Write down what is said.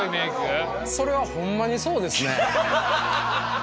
それはほんまにそうですね。